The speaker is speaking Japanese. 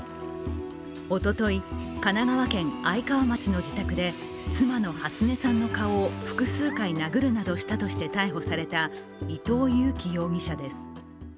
おととい、神奈川県愛川町の自宅で妻の初音さんの顔を複数回殴るなどしたとして逮捕された伊藤裕樹容疑者です。